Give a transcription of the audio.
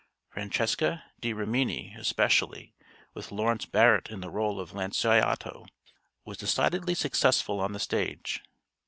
'Francesca da Rimini' especially, with Lawrence Barrett in the role of Lanciotto, was decidedly successful on the stage.